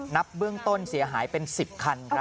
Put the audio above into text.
เบื้องต้นเสียหายเป็น๑๐คัน